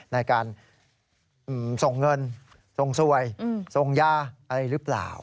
ในการส่งเงินส่งสวยส่งยาอะไรหรือเปล่า